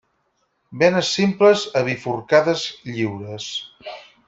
Venes simples a bifurcades, lliures.